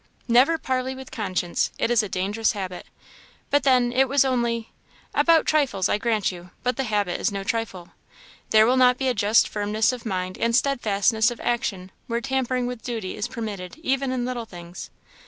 "Never parley with conscience; it is a dangerous habit." "But then it was only " "About trifles; I grant you; but the habit is no trifle. There will not be a just firmness of mind and steadfastness of action where tampering with duty is permitted even in little things."